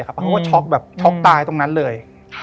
เขาก็ช็อกตายตรงนั้นเลย